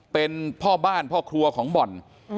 เป็นพ่อบ้านพ่อครัวของบ่อน